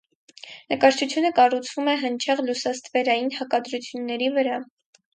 Նկարչությունը կառուցվում է հնչեղ լուսաստվերային հակադրությունների վրա։